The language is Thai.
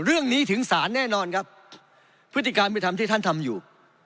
เรื่องนี้ถึงศาลแน่นอนครับพฤติการเป็นธรรมที่ท่านทำอยู่